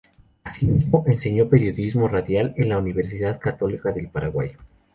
Asimismo, enseñó periodismo radial en la Universidad Católica del Uruguay.